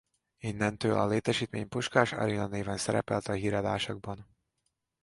Innentől a létesítmény Puskás Aréna néven szerepelt a híradásokban.